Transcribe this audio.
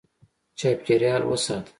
چاپېریال وساته.